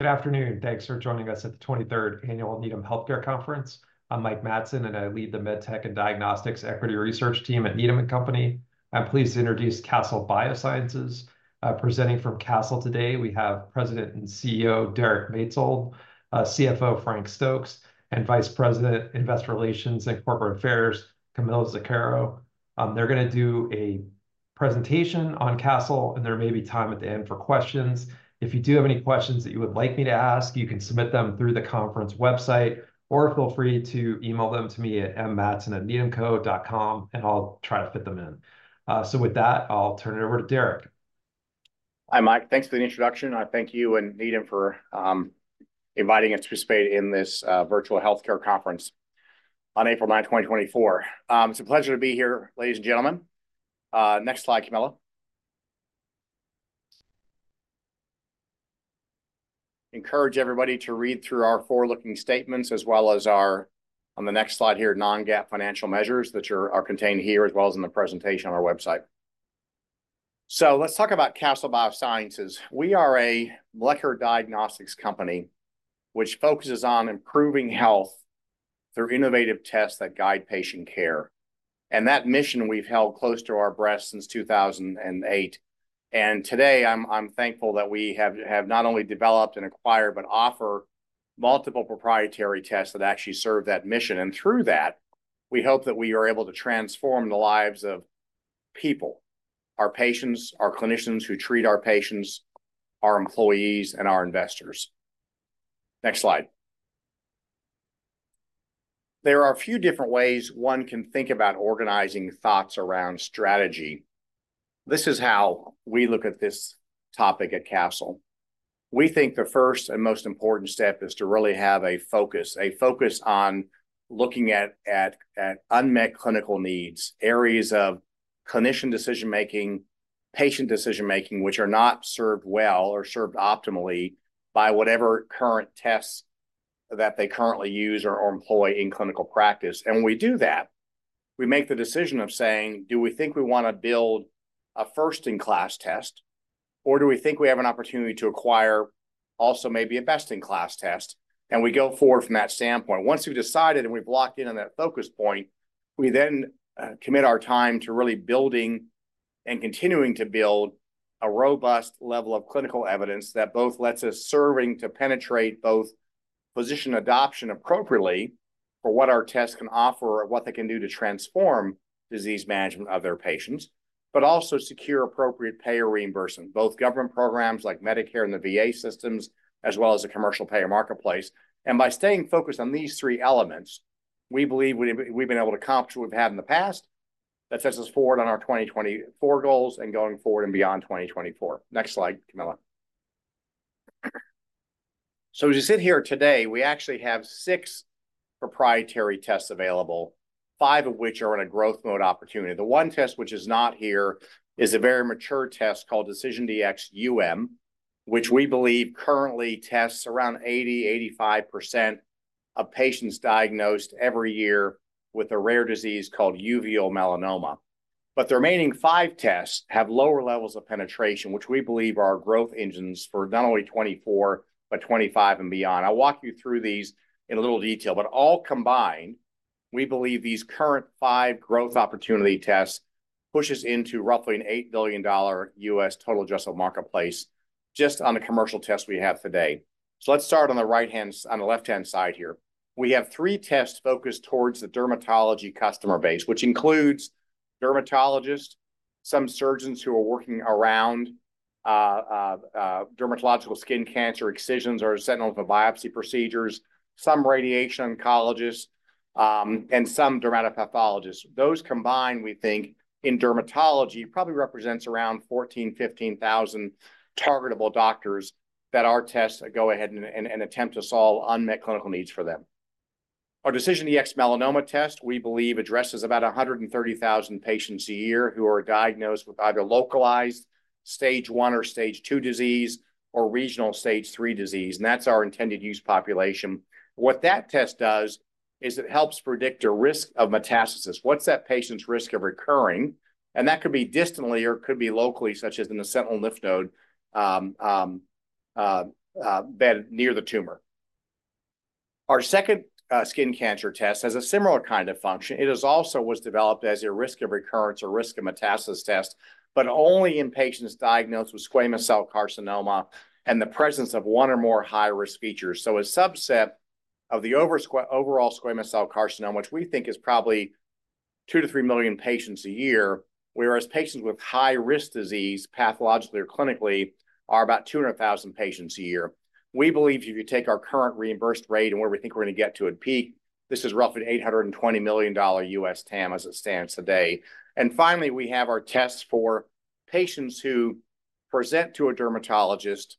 Good afternoon. Thanks for joining us at the 23rd annual Needham Healthcare Conference. I'm Mike Matson, and I lead the MedTech and Diagnostics Equity Research Team at Needham & Company. I'm pleased to introduce Castle Biosciences. Presenting from Castle today, we have President and CEO Derek Maetzold, CFO Frank Stokes, and Vice President, Investor Relations and Corporate Affairs Camilla Zuckero. They're gonna do a presentation on Castle, and there may be time at the end for questions. If you do have any questions that you would like me to ask, you can submit them through the conference website, or feel free to email them to me at mmatson@needhamco.com, and I'll try to fit them in. So with that, I'll turn it over to Derek. Hi, Mike. Thanks for the introduction. I thank you and Needham for inviting us to participate in this virtual healthcare conference on April 9, 2024. It's a pleasure to be here, ladies and gentlemen. Next slide, Camilla. Encourage everybody to read through our forward-looking statements as well as our on the next slide here, non-GAAP financial measures that are contained here as well as in the presentation on our website. So let's talk about Castle Biosciences. We are a molecular diagnostics company which focuses on improving health through innovative tests that guide patient care. And that mission we've held close to our breasts since 2008. And today, I'm thankful that we have not only developed and acquired but offer multiple proprietary tests that actually serve that mission. Through that, we hope that we are able to transform the lives of people, our patients, our clinicians who treat our patients, our employees, and our investors. Next slide. There are a few different ways one can think about organizing thoughts around strategy. This is how we look at this topic at Castle. We think the first and most important step is to really have a focus, a focus on looking at unmet clinical needs, areas of clinician decision making, patient decision making which are not served well or served optimally by whatever current tests that they currently use or employ in clinical practice. And when we do that, we make the decision of saying, do we think we wanna build a first-in-class test, or do we think we have an opportunity to acquire also maybe a best-in-class test? And we go forward from that standpoint. Once we've decided and we've locked in on that focus point, we then commit our time to really building and continuing to build a robust level of clinical evidence that both lets us serve to penetrate both physician adoption appropriately for what our tests can offer or what they can do to transform disease management of their patients, but also secure appropriate pay or reimbursement, both government programs like Medicare and the VA systems as well as the commercial payer marketplace. And by staying focused on these three elements, we believe we've been able to accomplish what we've had in the past that sets us forward on our 2024 goals and going forward and beyond 2024. Next slide, Camilla. So as you sit here today, we actually have six proprietary tests available, five of which are in a growth mode opportunity. The one test which is not here is a very mature test called DecisionDx-UM which we believe currently tests around 80%-85% of patients diagnosed every year with a rare disease called uveal melanoma. But the remaining five tests have lower levels of penetration, which we believe are growth engines for not only 2024 but 2025 and beyond. I'll walk you through these in a little detail. But all combined, we believe these current five growth opportunity tests push us into roughly a $8 billion U.S. total addressable marketplace just on the commercial tests we have today. So let's start on the right-hand on the left-hand side here. We have three tests focused towards the dermatology customer base, which includes dermatologists, some surgeons who are working around dermatological skin cancer excisions or sentinel lymph node biopsy procedures, some radiation oncologists, and some dermatopathologists. Those combined, we think, in dermatology probably represents around 14,000-15,000 targetable doctors that our tests go ahead and attempt to solve unmet clinical needs for them. Our DecisionDx-Melanoma test, we believe, addresses about 130,000 patients a year who are diagnosed with either localized stage 1 or stage 2 disease or regional stage 3 disease. And that's our intended use population. What that test does is it helps predict a risk of metastasis. What's that patient's risk of recurring? And that could be distantly or it could be locally, such as in the sentinel lymph node bed near the tumor. Our second skin cancer test has a similar kind of function. It also was developed as a risk of recurrence or risk of metastasis test, but only in patients diagnosed with squamous cell carcinoma and the presence of one or more high-risk features. So a subset of the overall squamous cell carcinoma, which we think is probably 2-3 million patients a year, whereas patients with high-risk disease pathologically or clinically are about 200,000 patients a year. We believe if you take our current reimbursed rate and where we think we're gonna get to at peak, this is roughly $820 million U.S. TAM as it stands today. And finally, we have our tests for patients who present to a dermatologist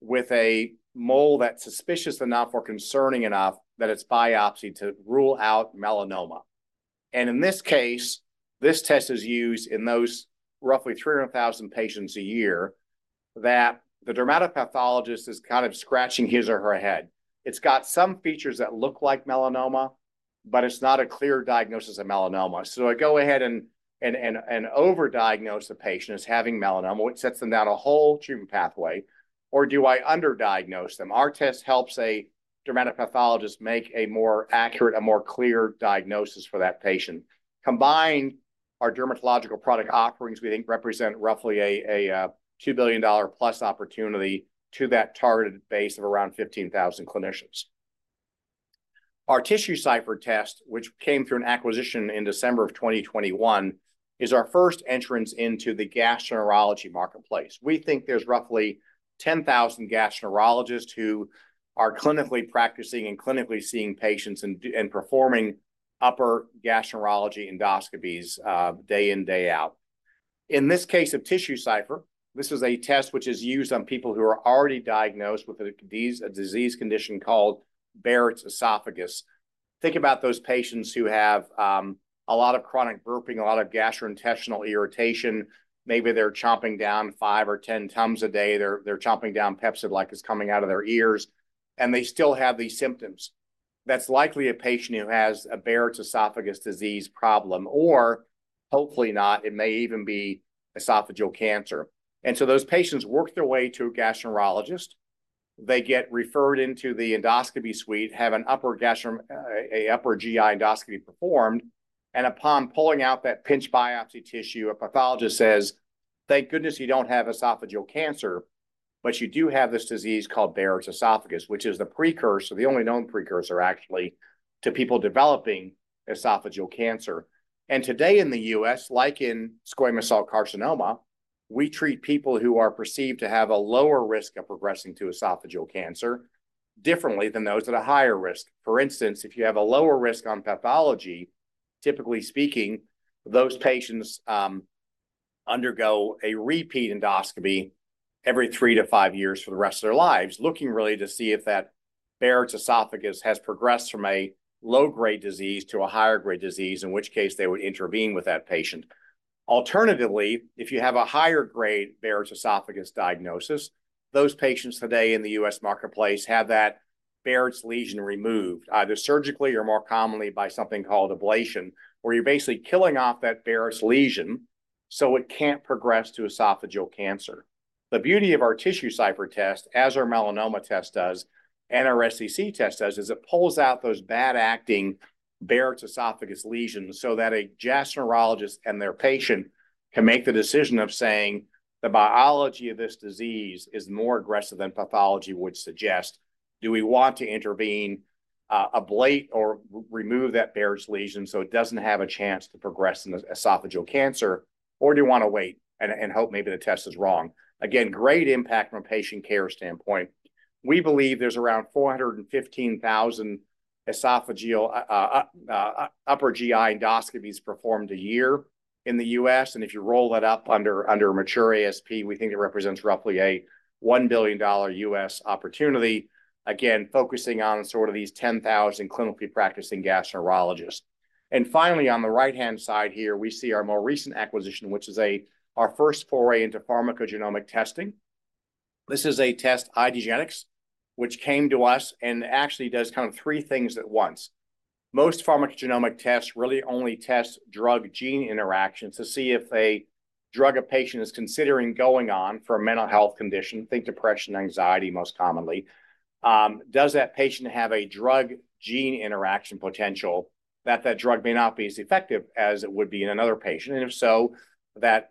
with a mole that's suspicious enough or concerning enough that it's biopsied to rule out melanoma. And in this case, this test is used in those roughly 300,000 patients a year that the dermatopathologist is kind of scratching his or her head. It's got some features that look like melanoma, but it's not a clear diagnosis of melanoma. So I go ahead and overdiagnose the patient as having melanoma, which sets them down a whole treatment pathway. Or do I underdiagnose them? Our test helps a dermatopathologist make a more accurate, a more clear diagnosis for that patient. Combined, our dermatological product offerings, we think, represent roughly a $2 billion+ opportunity to that targeted base of around 15,000 clinicians. Our TissueCypher test, which came through an acquisition in December 2021, is our first entrance into the gastroenterology marketplace. We think there's roughly 10,000 gastroenterologists who are clinically practicing and clinically seeing patients and performing upper gastroenterology endoscopies day in, day out. In this case of TissueCypher, this is a test which is used on people who are already diagnosed with a disease condition called Barrett's esophagus. Think about those patients who have a lot of chronic burping, a lot of gastrointestinal irritation. Maybe they're chomping down five or 10 Tums a day. They're chomping down Pepcid like it's coming out of their ears. And they still have these symptoms. That's likely a patient who has a Barrett's esophagus disease problem. Or hopefully not, it may even be esophageal cancer. And so those patients work their way to a gastroenterologist. They get referred into the endoscopy suite, have an upper gastro upper GI endoscopy performed. Upon pulling out that pinch biopsy tissue, a pathologist says, "Thank goodness you don't have esophageal cancer, but you do have this disease called Barrett's esophagus," which is the precursor, the only known precursor, actually, to people developing esophageal cancer. Today in the U.S., like in squamous cell carcinoma, we treat people who are perceived to have a lower risk of progressing to esophageal cancer differently than those at a higher risk. For instance, if you have a lower risk on pathology, typically speaking, those patients undergo a repeat endoscopy every three to five years for the rest of their lives, looking really to see if that Barrett's esophagus has progressed from a low-grade disease to a higher-grade disease, in which case they would intervene with that patient. Alternatively, if you have a higher-grade Barrett's esophagus diagnosis, those patients today in the U.S. marketplace have that Barrett's lesion removed either surgically or more commonly by something called ablation, where you're basically killing off that Barrett's lesion so it can't progress to esophageal cancer. The beauty of our TissueCypher test, as our melanoma test does and our SCC test does, is it pulls out those bad-acting Barrett's esophagus lesions so that a gastroenterologist and their patient can make the decision of saying, "The biology of this disease is more aggressive than pathology would suggest. Do we want to intervene, ablate, or remove that Barrett's lesion so it doesn't have a chance to progress in esophageal cancer, or do you wanna wait and hope maybe the test is wrong?" Again, great impact from a patient care standpoint. We believe there's around 415,000 esophageal upper GI endoscopies performed a year in the U.S.. And if you roll that up under a mature ASP, we think it represents roughly a $1 billion U.S. opportunity, again, focusing on sort of these 10,000 clinically practicing gastroenterologists. And finally, on the right-hand side here, we see our more recent acquisition, which is our first foray into pharmacogenomic testing. This is a test, IDgenetix, which came to us and actually does kind of three things at once. Most pharmacogenomic tests really only test drug-gene interactions to see if a drug a patient is considering going on for a mental health condition, think depression and anxiety most commonly, does that patient have a drug-gene interaction potential that that drug may not be as effective as it would be in another patient? And if so, that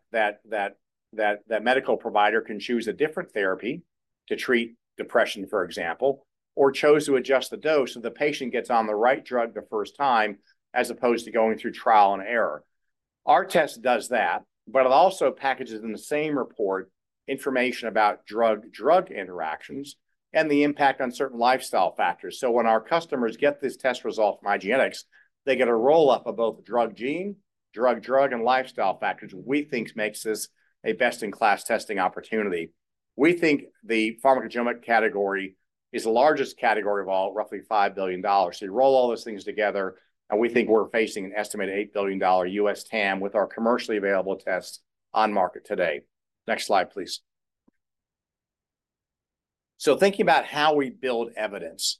medical provider can choose a different therapy to treat depression, for example, or chose to adjust the dose so the patient gets on the right drug the first time as opposed to going through trial and error. Our test does that, but it also packages in the same report information about drug-drug interactions and the impact on certain lifestyle factors. So when our customers get this test result from IDgenetix, they get a roll-up of both drug-gene, drug-drug, and lifestyle factors, which we think makes this a best-in-class testing opportunity. We think the pharmacogenomic category is the largest category of all, roughly $5 billion. So you roll all those things together, and we think we're facing an estimated $8 billion U.S. TAM with our commercially available tests on market today. Next slide, please. So thinking about how we build evidence,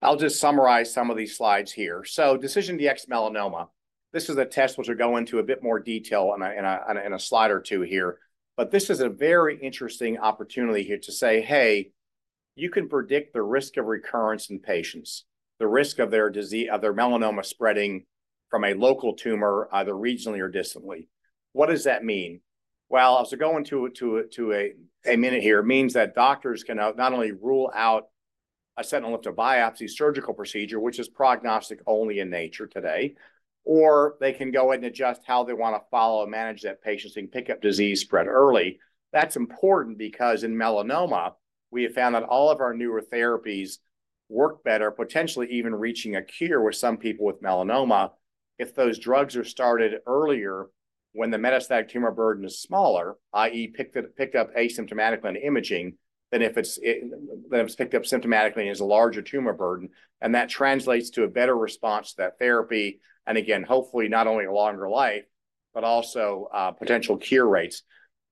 I'll just summarize some of these slides here. So DecisionDx-Melanoma, this is a test which I'll go into a bit more detail in a slide or two here. But this is a very interesting opportunity here to say, "Hey, you can predict the risk of recurrence in patients, the risk of their disease of their melanoma spreading from a local tumor either regionally or distantly." What does that mean? Well, as I go into it to a minute here, it means that doctors can not only rule out a sentinel lymph node biopsy surgical procedure, which is prognostic only in nature today, or they can go ahead and adjust how they wanna follow and manage that patient so you can pick up disease spread early. That's important because in melanoma, we have found that all of our newer therapies work better, potentially even reaching a cure with some people with melanoma if those drugs are started earlier when the metastatic tumor burden is smaller, i.e., picked up asymptomatically on imaging than if it's picked up symptomatically and it's a larger tumor burden. And that translates to a better response to that therapy and, again, hopefully not only a longer life, but also potential cure rates.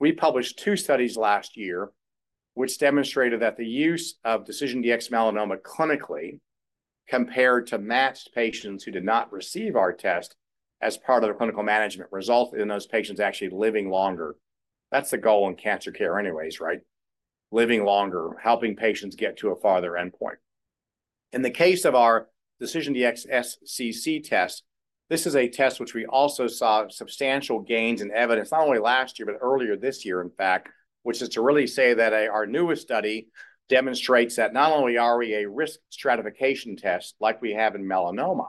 We published two studies last year, which demonstrated that the use of DecisionDx-Melanoma clinically compared to matched patients who did not receive our test as part of the clinical management resulted in those patients actually living longer. That's the goal in cancer care anyways, right? Living longer, helping patients get to a farther endpoint. In the case of our DecisionDx-SCC test, this is a test which we also saw substantial gains in evidence not only last year but earlier this year, in fact, which is to really say that our newest study demonstrates that not only are we a risk stratification test like we have in melanoma,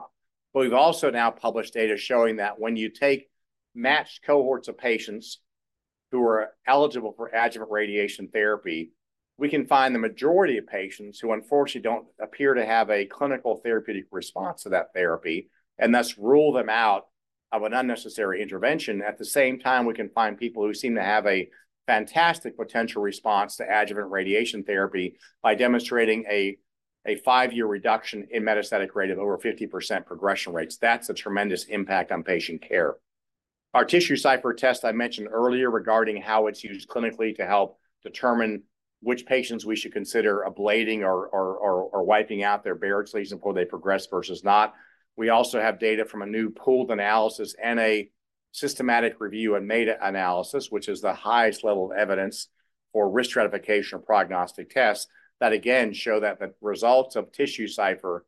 but we've also now published data showing that when you take matched cohorts of patients who are eligible for adjuvant radiation therapy, we can find the majority of patients who, unfortunately, don't appear to have a clinical therapeutic response to that therapy and thus rule them out of an unnecessary intervention. At the same time, we can find people who seem to have a fantastic potential response to adjuvant radiation therapy by demonstrating a five-year reduction in metastatic rate of over 50% progression rates. That's a tremendous impact on patient care. Our TissueCypher test I mentioned earlier regarding how it's used clinically to help determine which patients we should consider ablating or wiping out their Barrett's lesion before they progress versus not. We also have data from a new pooled analysis and a systematic review and meta-analysis, which is the highest level of evidence for risk stratification or prognostic tests that, again, show that the results of TissueCypher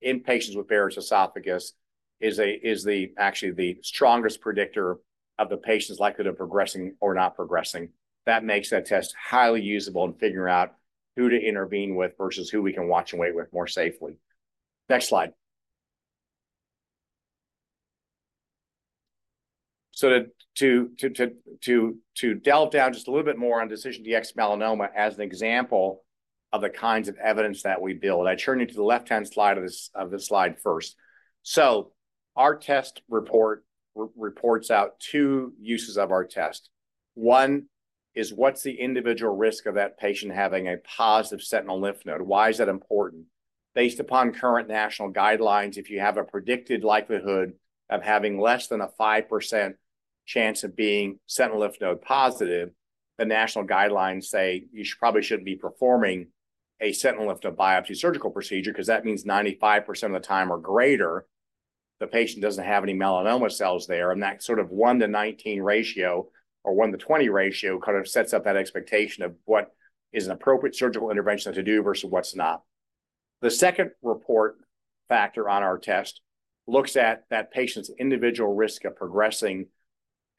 in patients with Barrett's esophagus is actually the strongest predictor of the patient's likelihood of progressing or not progressing. That makes that test highly usable in figuring out who to intervene with versus who we can watch and wait with more safely. Next slide. So to delve down just a little bit more on DecisionDx-Melanoma as an example of the kinds of evidence that we build, I turn you to the left-hand slide of this slide first. So our test report reports out two uses of our test. One is what's the individual risk of that patient having a positive sentinel lymph node? Why is that important? Based upon current national guidelines, if you have a predicted likelihood of having less than a 5% chance of being sentinel lymph node positive, the national guidelines say you probably shouldn't be performing a sentinel lymph node biopsy surgical procedure because that means 95% of the time or greater, the patient doesn't have any melanoma cells there. That sort of one to 19 ratio or one to 20 ratio kind of sets up that expectation of what is an appropriate surgical intervention to do versus what's not. The second report factor on our test looks at that patient's individual risk of progressing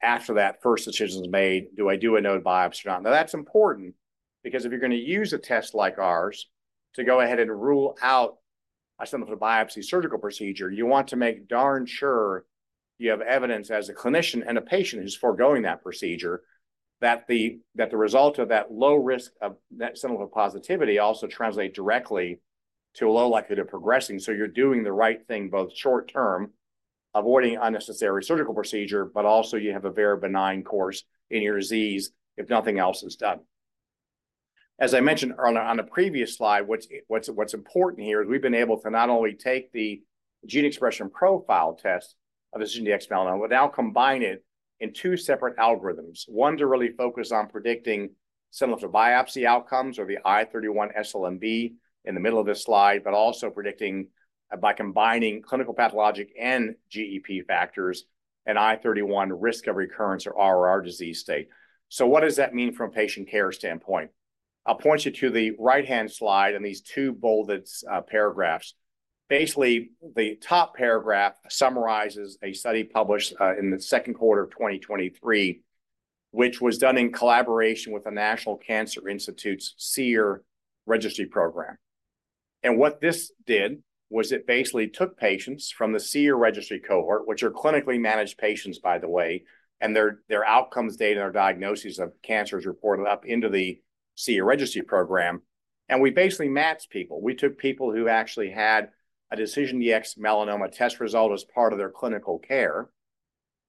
after that first decision is made, do I do a node biopsy or not? Now, that's important because if you're gonna use a test like ours to go ahead and rule out a sentinel lymph node biopsy surgical procedure, you want to make darn sure you have evidence as a clinician and a patient who's foregoing that procedure that the result of that low risk of that sentinel lymph node positivity also translate directly to a low likelihood of progressing. So you're doing the right thing both short term, avoiding unnecessary surgical procedure, but also you have a very benign course in your disease if nothing else is done. As I mentioned on a previous slide, what's important here is we've been able to not only take the gene expression profile test of DecisionDx-Melanoma, but now combine it in two separate algorithms. One to really focus on predicting sentinel lymph node biopsy outcomes or the i31-SLNB in the middle of this slide, but also predicting by combining clinical pathologic and GEP factors and i31 risk of recurrence or ROR disease state. So what does that mean from a patient care standpoint? I'll point you to the right-hand slide and these two bolded paragraphs. Basically, the top paragraph summarizes a study published in the second quarter of 2023, which was done in collaboration with the National Cancer Institute's SEER registry program. What this did was it basically took patients from the SEER registry cohort, which are clinically managed patients, by the way, and their outcomes, data, and their diagnoses of cancers reported up into the SEER registry program. We basically matched people. We took people who actually had a DecisionDx-Melanoma test result as part of their clinical care.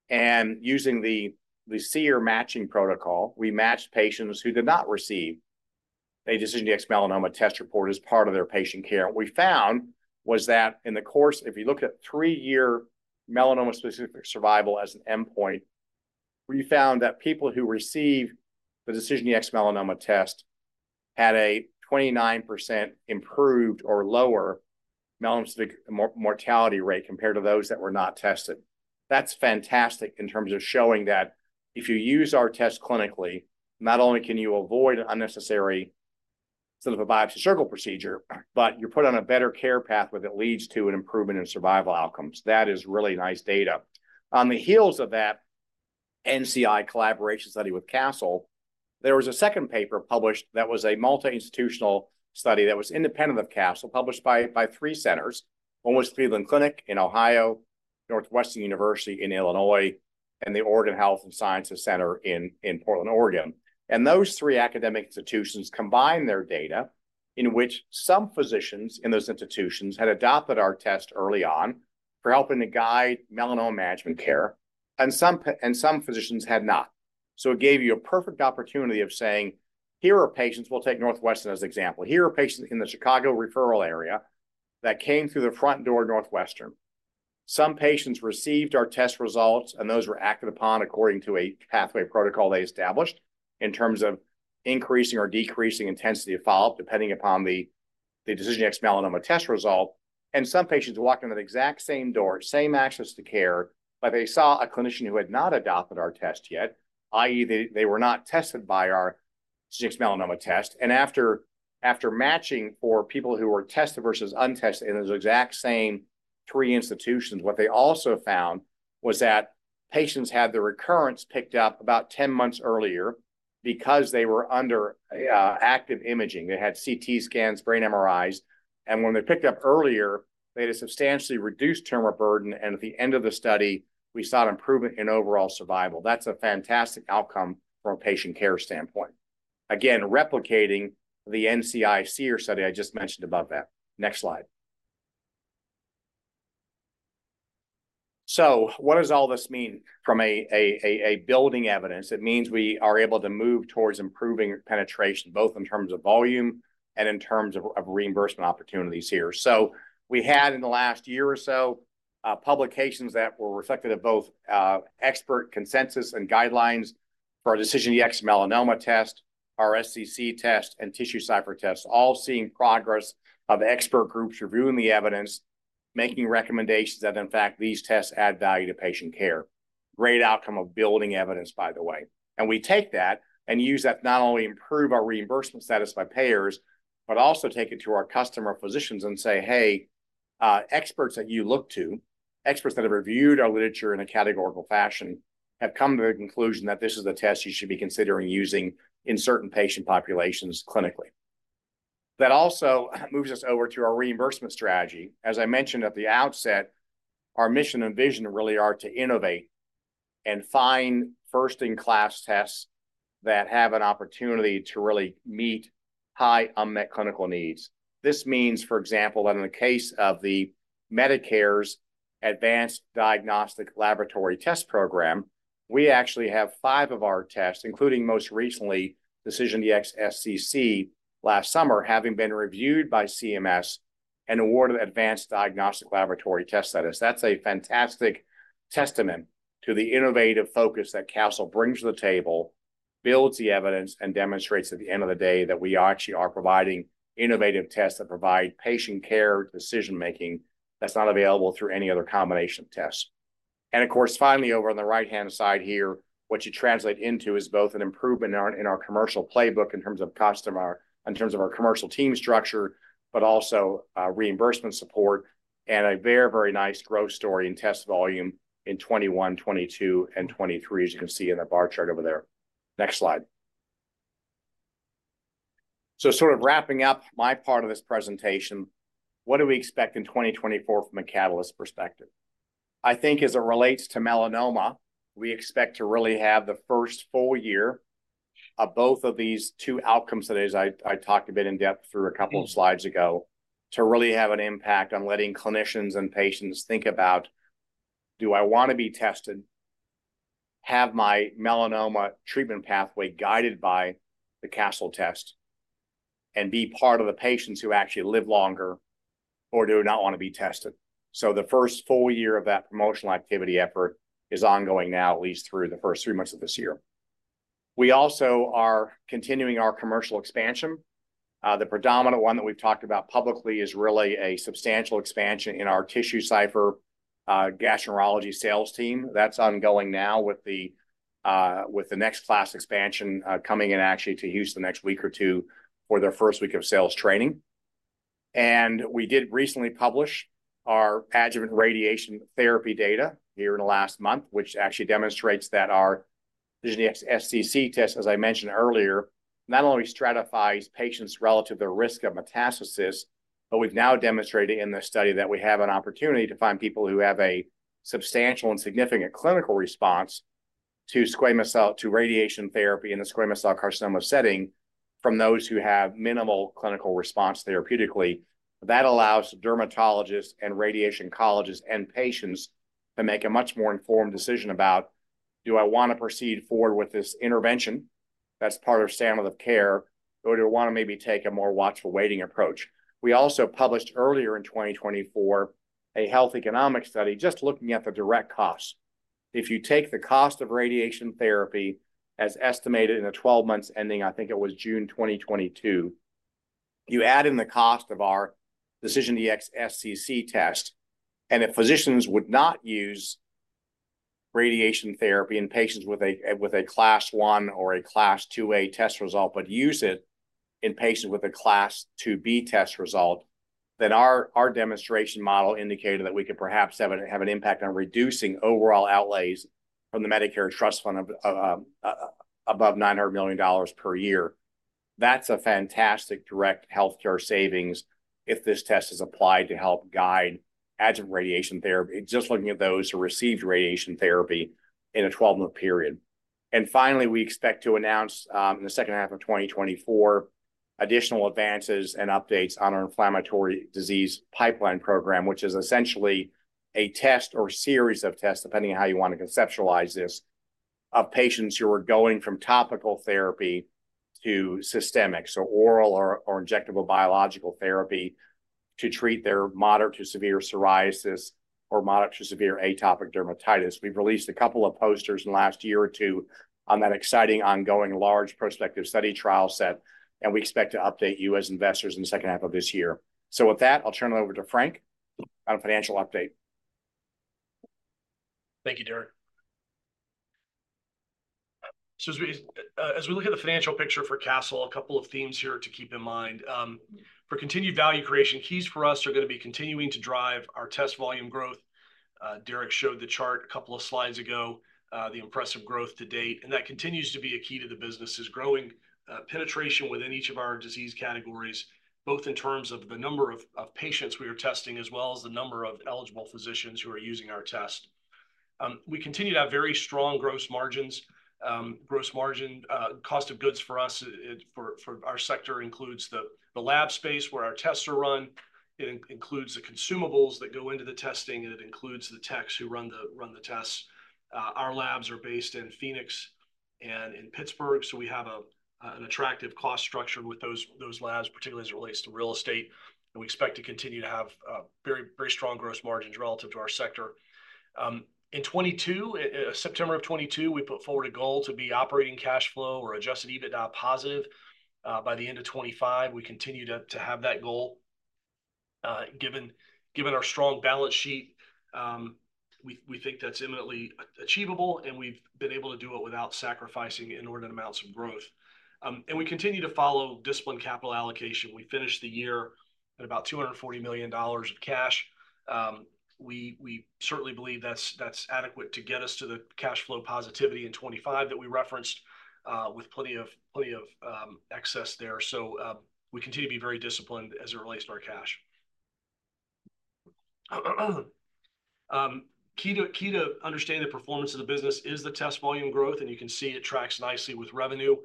Using the SEER matching protocol, we matched patients who did not receive a DecisionDx-Melanoma test report as part of their patient care. And what we found was that in the course, if you look at three-year melanoma-specific survival as an endpoint, we found that people who received the DecisionDx-Melanoma test had a 29% improved or lower melanoma-specific mortality rate compared to those that were not tested. That's fantastic in terms of showing that if you use our test clinically, not only can you avoid an unnecessary sentinel node biopsy surgical procedure, but you're put on a better care path where that leads to an improvement in survival outcomes. That is really nice data. On the heels of that NCI collaboration study with Castle, there was a second paper published that was a multi-institutional study that was independent of Castle, published by three centers. One was Cleveland Clinic in Ohio, Northwestern University in Illinois, and the Oregon Health & Science University in Portland, Oregon. Those three academic institutions combined their data in which some physicians in those institutions had adopted our test early on for helping to guide melanoma management care, and some physicians had not. It gave you a perfect opportunity of saying, "Here are patients." We'll take Northwestern as an example. "Here are patients in the Chicago referral area that came through the front door of Northwestern. Some patients received our test results, and those were acted upon according to a pathway protocol they established in terms of increasing or decreasing intensity of follow-up depending upon the DecisionDx-Melanoma test result. Some patients walked in that exact same door, same access to care, but they saw a clinician who had not adopted our test yet, i.e., they were not tested by our DecisionDx-Melanoma test. After matching for people who were tested versus untested in those exact same three institutions, what they also found was that patients had the recurrence picked up about 10 months earlier because they were under active imaging. They had CT scans, brain MRIs. And when they picked up earlier, they had a substantially reduced tumor burden. And at the end of the study, we saw an improvement in overall survival. That's a fantastic outcome from a patient care standpoint, again, replicating the NCI SEER study I just mentioned above that. Next slide. So what does all this mean from building evidence? It means we are able to move towards improving penetration, both in terms of volume and in terms of reimbursement opportunities here. So we had in the last year or so publications that were reflective of both expert consensus and guidelines for our DecisionDx-Melanoma test, our SCC test, and TissueCypher test, all seeing progress of expert groups reviewing the evidence, making recommendations that, in fact, these tests add value to patient care. Great outcome of building evidence, by the way. And we take that and use that to not only improve our reimbursement status by payers, but also take it to our customer physicians and say, "Hey, experts that you look to, experts that have reviewed our literature in a categorical fashion, have come to the conclusion that this is the test you should be considering using in certain patient populations clinically." That also moves us over to our reimbursement strategy. As I mentioned at the outset, our mission and vision really are to innovate and find first-in-class tests that have an opportunity to really meet high unmet clinical needs. This means, for example, that in the case of the Medicare's Advanced Diagnostic Laboratory Test Program, we actually have five of our tests, including most recently DecisionDx-SCC last summer, having been reviewed by CMS and awarded Advanced Diagnostic Laboratory Test Status. That's a fantastic testament to the innovative focus that Castle brings to the table, builds the evidence, and demonstrates at the end of the day that we actually are providing innovative tests that provide patient care decision-making that's not available through any other combination of tests. Of course, finally, over on the right-hand side here, what you translate into is both an improvement in our commercial playbook in terms of our commercial team structure, but also reimbursement support and a very, very nice growth story in test volume in 2021, 2022, and 2023, as you can see in the bar chart over there. Next slide. Sort of wrapping up my part of this presentation, what do we expect in 2024 from a catalyst perspective? I think as it relates to melanoma, we expect to really have the first full year of both of these two outcomes that I talked a bit in depth through a couple of slides ago to really have an impact on letting clinicians and patients think about, "Do I want to be tested, have my melanoma treatment pathway guided by the Castle test, and be part of the patients who actually live longer or do not want to be tested?" So the first full year of that promotional activity effort is ongoing now, at least through the first three months of this year. We also are continuing our commercial expansion. The predominant one that we've talked about publicly is really a substantial expansion in our TissueCypher gastroenterology sales team. That's ongoing now with the next class expansion coming in actually to Houston next week or two for their first week of sales training. We did recently publish our adjuvant radiation therapy data here in the last month, which actually demonstrates that our DecisionDx-SCC test, as I mentioned earlier, not only stratifies patients relative to the risk of metastasis, but we've now demonstrated in this study that we have an opportunity to find people who have a substantial and significant clinical response to squamous cell to radiation therapy in the squamous cell carcinoma setting from those who have minimal clinical response therapeutically. That allows dermatologists and radiation oncologists and patients to make a much more informed decision about, "Do I want to proceed forward with this intervention that's part of standard of care, or do I want to maybe take a more watchful waiting approach?" We also published earlier in 2024 a health economic study just looking at the direct costs. If you take the cost of radiation therapy as estimated in the 12 months ending, I think it was June 2022, you add in the cost of our DecisionDx-SCC test. If physicians would not use radiation therapy in patients with a Class 1 or a Class 2A test result, but use it in patients with a Class 2B test result, then our demonstration model indicated that we could perhaps have an impact on reducing overall outlays from the Medicare Trust Fund of above $900 million per year. That's a fantastic direct healthcare savings if this test is applied to help guide adjuvant radiation therapy, just looking at those who received radiation therapy in a 12-month period. And finally, we expect to announce in the second half of 2024 additional advances and updates on our inflammatory disease pipeline program, which is essentially a test or series of tests, depending on how you want to conceptualize this, of patients who are going from topical therapy to systemic, so oral or injectable biological therapy to treat their moderate to severe psoriasis or moderate to severe atopic dermatitis. We've released a couple of posters in the last year or two on that exciting ongoing large prospective study trial set, and we expect to update you as investors in the second half of this year. So with that, I'll turn it over to Frank on a financial update. Thank you, Derek. So as we look at the financial picture for Castle, a couple of themes here to keep in mind. For continued value creation, keys for us are going to be continuing to drive our test volume growth. Derek showed the chart a couple of slides ago, the impressive growth to date, and that continues to be a key to the business is growing penetration within each of our disease categories, both in terms of the number of patients we are testing as well as the number of eligible physicians who are using our test. We continue to have very strong gross margins. Gross margin cost of goods for us for our sector includes the lab space where our tests are run. It includes the consumables that go into the testing, and it includes the techs who run the tests. Our labs are based in Phoenix and in Pittsburgh, so we have an attractive cost structure with those labs, particularly as it relates to real estate. We expect to continue to have very, very strong gross margins relative to our sector. In 2022, September of 2022, we put forward a goal to be operating cash flow or adjusted EBITDA positive. By the end of 2025, we continue to have that goal. Given our strong balance sheet, we think that's imminently achievable, and we've been able to do it without sacrificing inordinate amounts of growth. We continue to follow disciplined capital allocation. We finished the year at about $240 million of cash. We certainly believe that's adequate to get us to the cash flow positivity in 2025 that we referenced with plenty of excess there. So we continue to be very disciplined as it relates to our cash. Key to understanding the performance of the business is the test volume growth, and you can see it tracks nicely with revenue.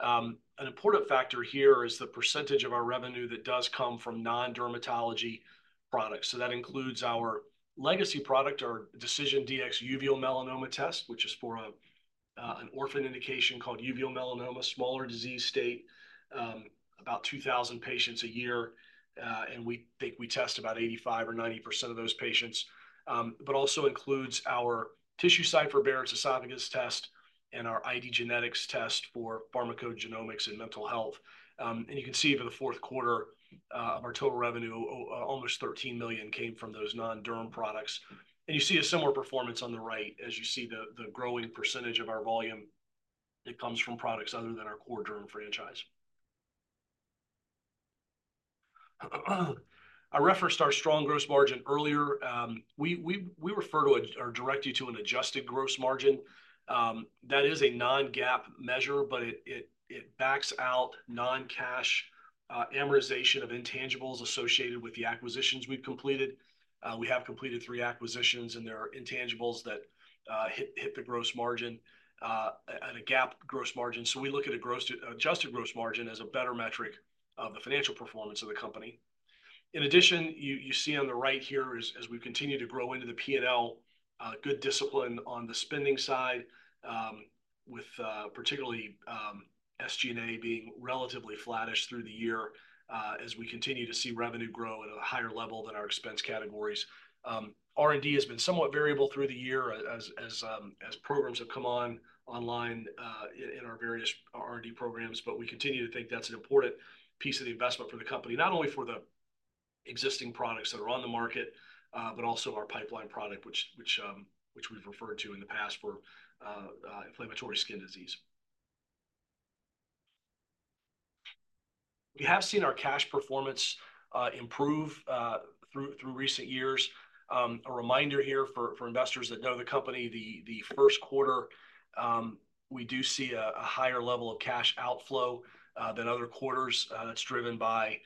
An important factor here is the percentage of our revenue that does come from non-dermatology products. So that includes our legacy product, our DecisionDx Uveal Melanoma test, which is for an orphan indication called uveal melanoma, smaller disease state, about 2,000 patients a year. And we think we test about 85% or 90% of those patients, but also includes our TissueCypher Barrett's esophagus test and our IDgenetix test for pharmacogenomics and mental health. And you can see for the fourth quarter of our total revenue, almost $13 million came from those non-derm products. You see a similar performance on the right as you see the growing percentage of our volume that comes from products other than our core derm franchise. I referenced our strong gross margin earlier. We refer to or direct you to an adjusted gross margin. That is a non-GAAP measure, but it backs out non-cash amortization of intangibles associated with the acquisitions we've completed. We have completed three acquisitions, and there are intangibles that hit the gross margin at a GAAP gross margin. So we look at a gross adjusted gross margin as a better metric of the financial performance of the company. In addition, you see on the right here is as we continue to grow into the P&L, good discipline on the spending side with particularly SG&A being relatively flattish through the year as we continue to see revenue grow at a higher level than our expense categories. R&D has been somewhat variable through the year as programs have come online in our various R&D programs, but we continue to think that's an important piece of the investment for the company, not only for the existing products that are on the market, but also our pipeline product, which we've referred to in the past for inflammatory skin disease. We have seen our cash performance improve through recent years. A reminder here for investors that know the company, the first quarter, we do see a higher level of cash outflow than other quarters. That's driven by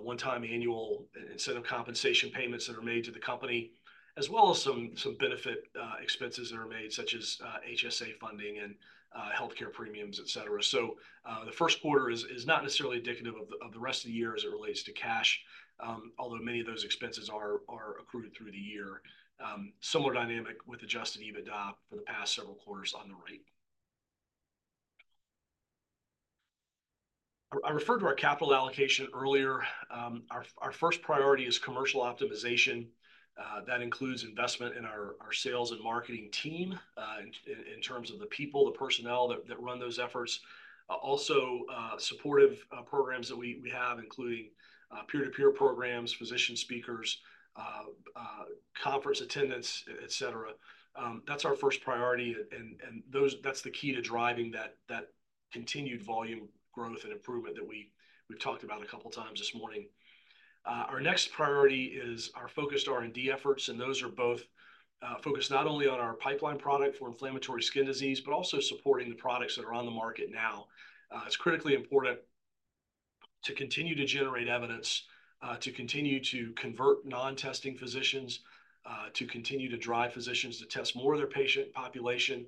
one-time annual incentive compensation payments that are made to the company, as well as some benefit expenses that are made, such as HSA funding and healthcare premiums, et cetera. So the first quarter is not necessarily indicative of the rest of the year as it relates to cash, although many of those expenses are accrued through the year. Similar dynamic with adjusted EBITDA for the past several quarters on the right. I referred to our capital allocation earlier. Our first priority is commercial optimization. That includes investment in our sales and marketing team in terms of the people, the personnel that run those efforts. Also supportive programs that we have, including peer-to-peer programs, physician speakers, conference attendance, et cetera. That's our first priority. And those that's the key to driving that continued volume growth and improvement that we've talked about a couple of times this morning. Our next priority is our focused R&D efforts, and those are both focused not only on our pipeline product for inflammatory skin disease, but also supporting the products that are on the market now. It's critically important to continue to generate evidence, to continue to convert non-testing physicians, to continue to drive physicians to test more of their patient population.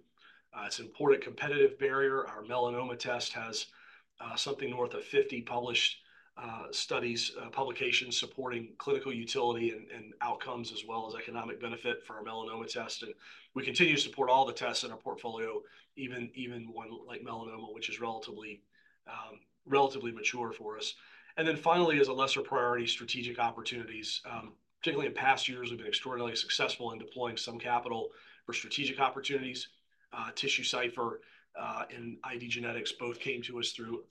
It's an important competitive barrier. Our melanoma test has something north of 50 published studies, publications supporting clinical utility and outcomes as well as economic benefit for our melanoma test. And we continue to support all the tests in our portfolio. Even one like melanoma, which is relatively mature for us. And then finally, as a lesser priority, strategic opportunities. Particularly in past years, we've been extraordinarily successful in deploying some capital for strategic opportunities. TissueCypher and IDgenetix both came to us through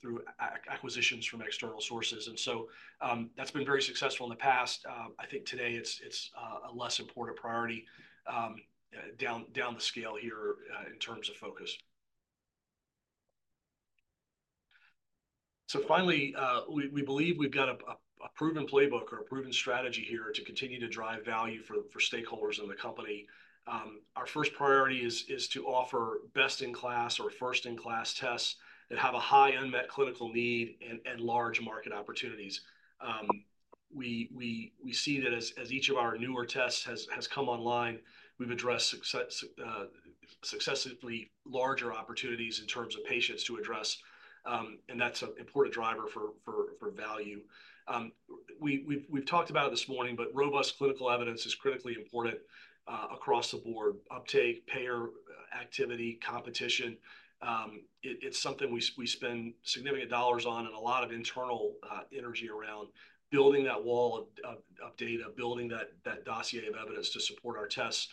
acquisitions from external sources, and so that's been very successful in the past. I think today it's a less important priority down the scale here in terms of focus. So finally, we believe we've got a proven playbook or a proven strategy here to continue to drive value for stakeholders in the company. Our first priority is to offer best in class or first in class tests that have a high unmet clinical need and large market opportunities. We see that as each of our newer tests has come online, we've addressed successively larger opportunities in terms of patients to address, and that's an important driver for value. We've talked about it this morning, but robust clinical evidence is critically important across the board. Uptake, payer activity, competition. It's something we spend significant dollars on and a lot of internal energy around building that wall of data, building that dossier of evidence to support our tests,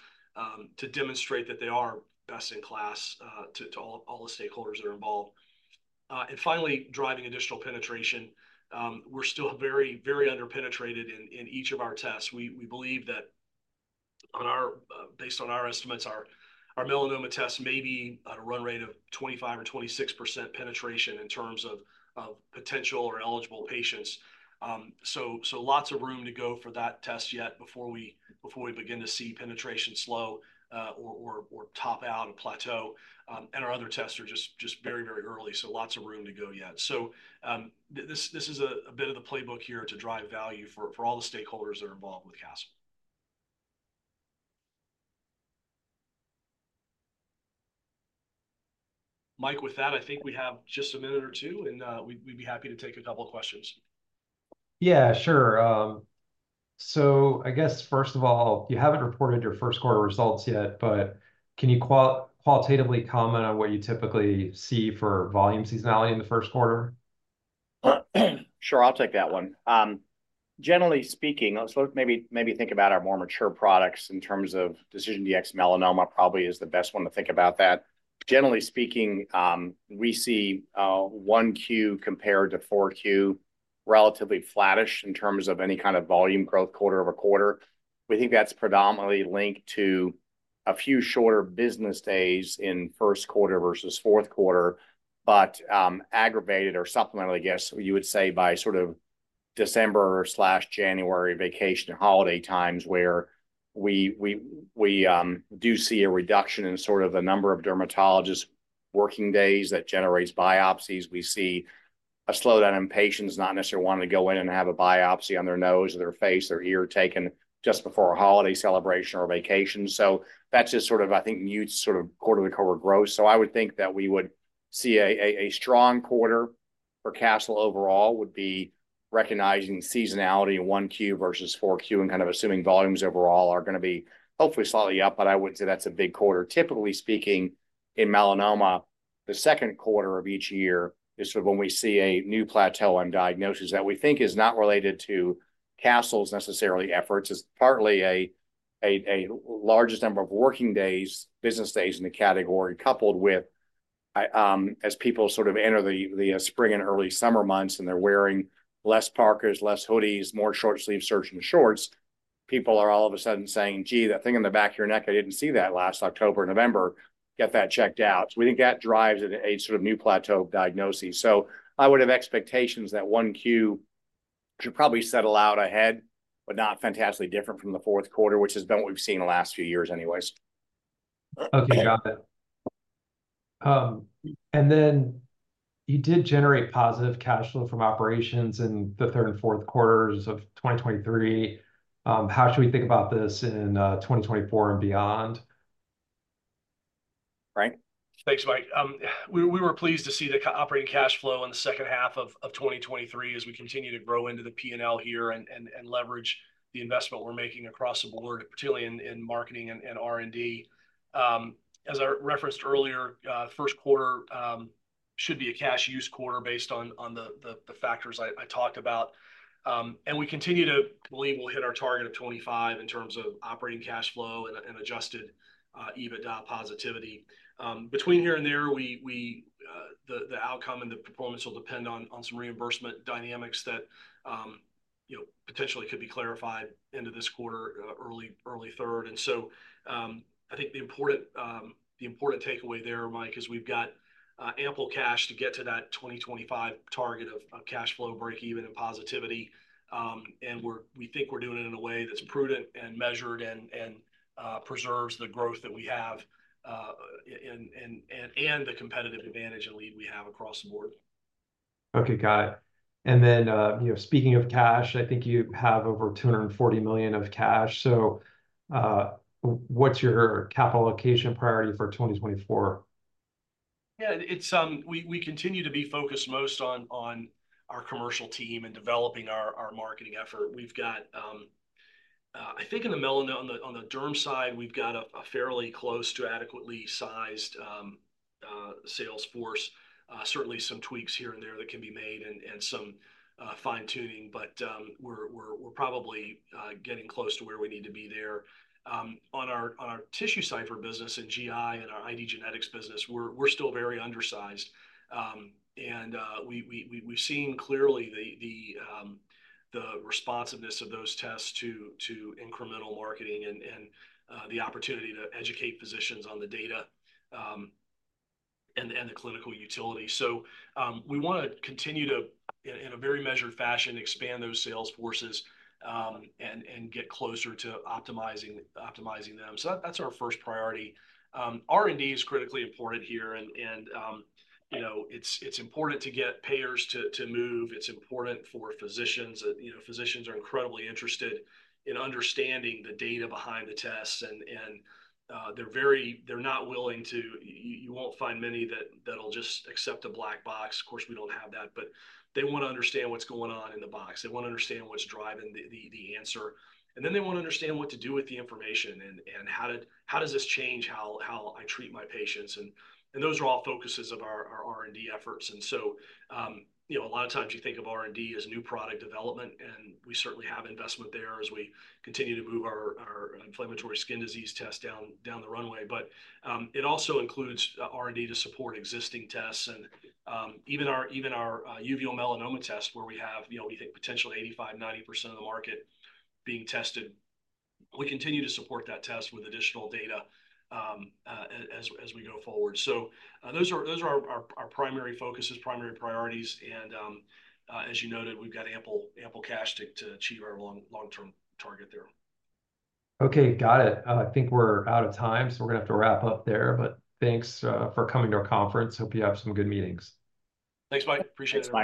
to demonstrate that they are best in class to all the stakeholders that are involved. And finally, driving additional penetration. We're still very, very underpenetrated in each of our tests. We believe that, based on our estimates, our melanoma tests may be at a run rate of 25% or 26% penetration in terms of potential or eligible patients. So lots of room to go for that test yet before we begin to see penetration slow or top out or plateau. And our other tests are just very, very early, so lots of room to go yet. So this is a bit of the playbook here to drive value for all the stakeholders that are involved with Castle. Mike, with that, I think we have just a minute or two, and we'd be happy to take a couple of questions. Yeah, sure. So I guess, first of all, you haven't reported your first quarter results yet, but can you qualitatively comment on what you typically see for volume seasonality in the first quarter? Sure. I'll take that one. Generally speaking, let's look maybe think about our more mature products in terms of DecisionDx-Melanoma probably is the best one to think about that. Generally speaking, we see 1Q compared to 4Q relatively flattish in terms of any kind of volume growth quarter-over-quarter. We think that's predominantly linked to a few shorter business days in first quarter versus fourth quarter, but aggravated or supplementally, I guess you would say by sort of December slash January vacation and holiday times where we do see a reduction in sort of the number of dermatologists working days that generates biopsies. We see a slowdown in patients not necessarily wanting to go in and have a biopsy on their nose or their face or ear taken just before a holiday celebration or a vacation. So that's just sort of, I think, mutes sort of quarter-to-quarter growth. So I would think that we would see a strong quarter for Castle overall would be recognizing seasonality in 1Q versus 4Q and kind of assuming volumes overall are going to be hopefully slightly up, but I wouldn't say that's a big quarter. Typically speaking, in melanoma, the second quarter of each year is sort of when we see a new plateau in diagnosis that we think is not necessarily related to Castle's efforts. It's partly the largest number of working days, business days in the category coupled with as people sort of enter the spring and early summer months and they're wearing less parkas, less hoodies, more short-sleeve shirts and shorts, people are all of a sudden saying, "Gee, that thing in the back of your neck, I didn't see that last October or November. Get that checked out." So we think that drives a sort of new plateau diagnosis. So I would have expectations that 1Q should probably settle out ahead, but not fantastically different from the fourth quarter, which has been what we've seen the last few years anyways. Okay. Got it. And then you did generate positive cash flow from operations in the third and fourth quarters of 2023. How should we think about this in 2024 and beyond? Frank? Thanks, Mike. We were pleased to see the operating cash flow in the second half of 2023 as we continue to grow into the P&L here and leverage the investment we're making across the board, particularly in marketing and R&D. As I referenced earlier, first quarter should be a cash use quarter based on the factors I talked about. We continue to believe we'll hit our target of 25 in terms of operating cash flow and adjusted EBITDA positivity. Between here and there, the outcome and the performance will depend on some reimbursement dynamics that, you know, potentially could be clarified into this quarter, early third. So I think the important takeaway there, Mike, is we've got ample cash to get to that 2025 target of cash flow break even and positivity. And we think we're doing it in a way that's prudent and measured and the competitive advantage and lead we have across the board. Okay. Got it. And then, you know, speaking of cash, I think you have over $240 million of cash. So what's your capital allocation priority for 2024? Yeah. We continue to be focused most on our commercial team and developing our marketing effort. We've got, I think, in the melanoma on the derm side, we've got a fairly close to adequately sized sales force. Certainly some tweaks here and there that can be made and some fine-tuning, but we're probably getting close to where we need to be there. On our TissueCypher business and GI and our IDgenetix business, we're still very undersized. And we've seen clearly the responsiveness of those tests to incremental marketing and the opportunity to educate physicians on the data and the clinical utility. So we want to continue to in a very measured fashion expand those sales forces and get closer to optimizing them. So that's our first priority. R&D is critically important here. And you know, it's important to get payers to move. It's important for physicians that, you know, physicians are incredibly interested in understanding the data behind the tests, and they're not willing to. You won't find many that'll just accept a black box. Of course, we don't have that, but they want to understand what's going on in the box. They want to understand what's driving the answer. And then they want to understand what to do with the information and how does this change how I treat my patients? And those are all focuses of our R&D efforts. You know, a lot of times you think of R&D as new product development, and we certainly have investment there as we continue to move our inflammatory skin disease test down the runway. But it also includes R&D to support existing tests and even our uveal melanoma tests where we have, you know, we think potentially 85%-90% of the market being tested. We continue to support that test with additional data as we go forward. So those are our primary focuses, primary priorities. And as you noted, we've got ample cash to achieve our long-term target there. Okay. Got it. I think we're out of time, so we're going to have to wrap up there. But thanks for coming to our conference. Hope you have some good meetings. Thanks, Mike. Appreciate it. Bye.